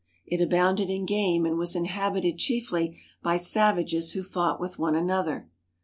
It abounded in game and was inhabited chiefly by savages who fought with one another.